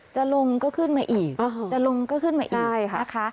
จะลงก็ขึ้นมาอีกจะลงก็ขึ้นมาอีกนะคะ